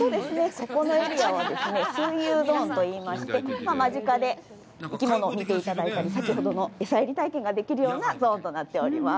ここのエリアはですね、水遊ゾーンといいまして、間近で生き物を見ていただいたり、先ほどの餌やり体験ができるようなゾーンとなっております。